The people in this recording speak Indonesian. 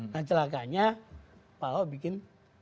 nah celakanya pak ahok bikin